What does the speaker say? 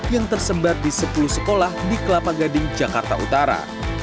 yang tersebar di sepuluh sekolah di kelapa gading jakarta utara